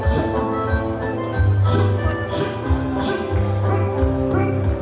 เชื่อเชื่อเชื่อเชื่อเชื่อฮึฮึ